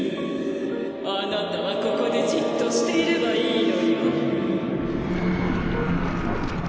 あなたはここでじっとしていればいいのよ。